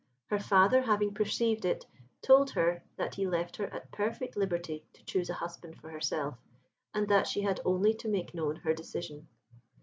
Her father, having perceived it, told her that he left her at perfect liberty to choose a husband for herself, and that she had only to make known her decision.